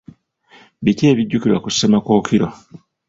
Biki ebijjukirwa ku Ssemakookiro?